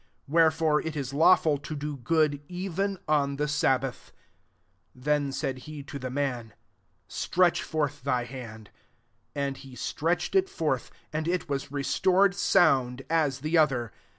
Wherefore it is lawful to do good even on the sabbath." 13 Then said he to the man, "Stretch forth thy hand. And he stretched ir forth; and it was restored sound, as the other.